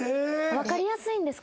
わかりやすいんですか？